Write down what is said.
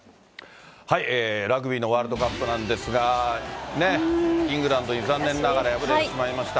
ラグビーのワールドカップなんですが、イングランドに残念ながら敗れてしまいました。